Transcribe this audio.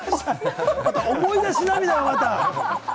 思い出し涙をまた。